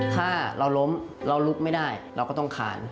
ถ้าเราล้มเราลุกไม่ได้เราก็ต้องขาน